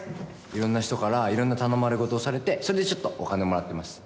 いろんな人からいろんな頼まれ事をされてそれでちょっとお金をもらっています。